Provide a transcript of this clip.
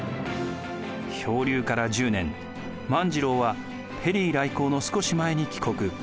漂流から１０年万次郎はペリー来航の少し前に帰国。